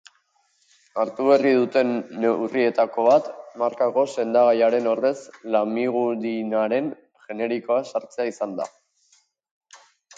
Hartu berri duten neurrietako bat markako sendagaiaren ordez lamigudinaren generikoa sartzea izan da.